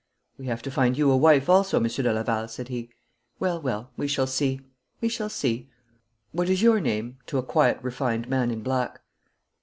'We have to find you a wife also, Monsieur de Laval,' said he. 'Well, well, we shall see we shall see. What is your name?' to a quiet refined man in black.